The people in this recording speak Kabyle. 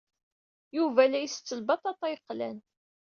Yuba la isett lbaṭaṭa yeqlan.